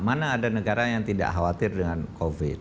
mana ada negara yang tidak khawatir dengan covid